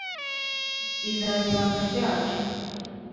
bizaba ibanga ryacu